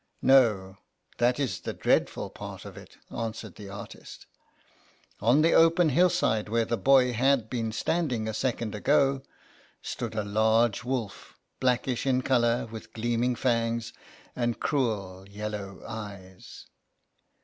"No; that is the dreadful part of it," answered the artist; "on the open hillside where the boy had been standing a second ago, stood a large wolf, blackish in colour, with gleaming fangs and cruel, yellow eyes.